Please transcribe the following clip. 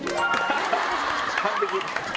完璧。